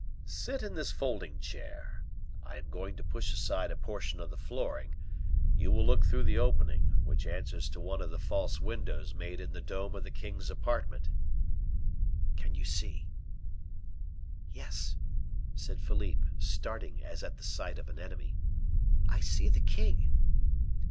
"Sit in this folding chair. I am going to push aside a portion of the flooring; you will look through the opening, which answers to one of the false windows made in the dome of the king's apartment. Can you see?" "Yes," said Philippe, starting as at the sight of an enemy; "I see the king!"